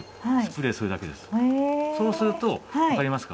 そうするとわかりますか？